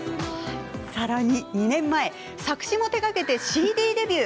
さらに、２年前作詞も手がけてＣＤデビュー。